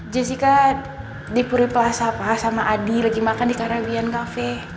jessica di puri plaza sama adi lagi makan di caribbean cafe